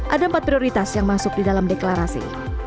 ada empat prioritas yang masuk di dalam deklarasi